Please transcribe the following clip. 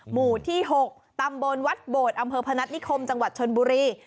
หมู่ที่๖ตำบลวัดโบดอำเภอพนัฐนิคมจังหวัดชนบุรี